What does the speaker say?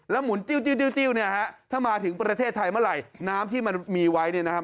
หมุนจิ้วเนี่ยฮะถ้ามาถึงประเทศไทยเมื่อไหร่น้ำที่มันมีไว้เนี่ยนะครับ